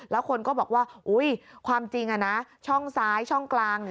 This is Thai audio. แล้วคนก็บอกว่าความจริงช่องซ้ายช่องกลาง